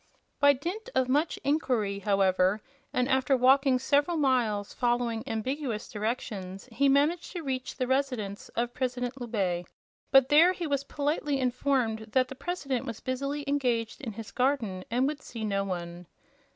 By dint of much inquiry, however, and after walking several miles following ambiguous directions, he managed to reach the residence of President Loubet. But there he was politely informed that the President was busily engaged in his garden, and would see no one.